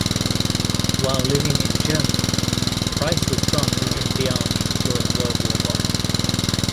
While living in Germany, Price was drafted into the army during World War One.